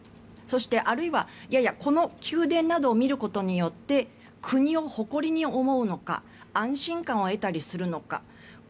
そしてあるいは、いやいやこの宮殿などを見ることによって国を誇りに思うのか安心感を得たりするのか。